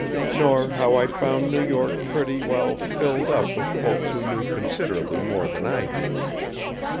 Nor how I found New York pretty well filled up with folks who knew considerably more than I did.